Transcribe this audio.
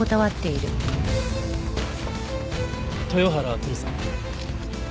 豊原輝さん。